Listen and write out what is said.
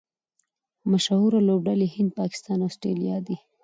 مشهوره لوبډلي هند، پاکستان او اسټرالیا دي.